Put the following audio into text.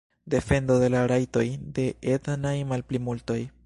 Defendo de la rajtoj de etnaj malplimultoj.